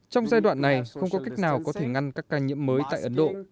trong giai đoạn này không có cách nào có thể ngăn các ca nhiễm mới tại ấn độ